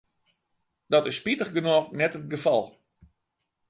Dat is spitich genôch net it gefal.